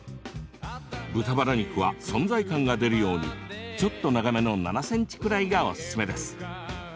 豚バラ肉は、存在感が出るようにちょっと長めの７ｃｍくらいがおすすめです。